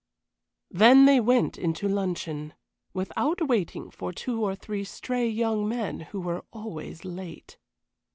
Then they went in to luncheon, without waiting for two or three stray young men who were always late.